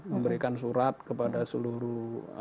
memberikan surat kepada seluruh